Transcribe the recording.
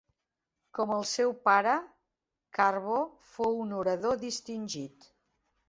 Com el seu pare, Carbo fou un orador distingit.